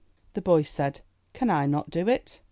The boy said, "Can I not do it?"